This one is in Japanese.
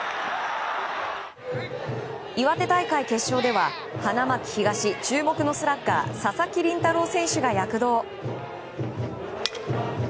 岩手大会決勝では花巻東注目のスラッガー佐々木麟太郎選手が躍動。